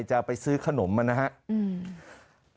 จะไปซื้อขนมนะครับ